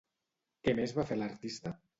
Què més va fer l'artista?